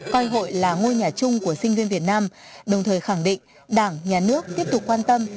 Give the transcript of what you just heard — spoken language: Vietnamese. coi hội là ngôi nhà chung của sinh viên việt nam đồng thời khẳng định đảng nhà nước tiếp tục quan tâm